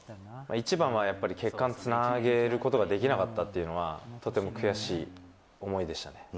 一番はやっぱり結果につなげることができなかったっていうのは、とても悔しい思いでしたね。